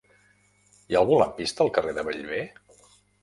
Hi ha algun lampista al carrer de Bellver?